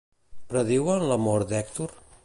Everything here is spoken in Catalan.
Prediuen la mort d'Hèctor?